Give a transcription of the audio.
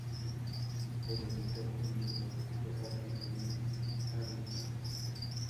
El editor fundador fue Arthur W. Adamson.